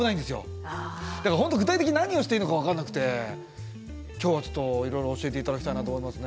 だから本当具体的に何をしていいのか分かんなくて今日はちょっといろいろ教えて頂きたいなと思いますね。